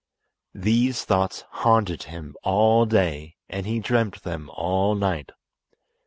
These thoughts haunted him all day, and he dreamt them all night.